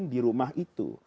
di rumah itu